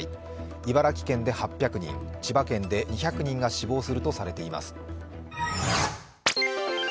茨城県で８００人、千葉県で２００人が死亡するとされています。